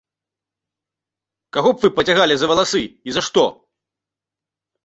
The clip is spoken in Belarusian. Каго вы б пацягалі за валасы, і за што?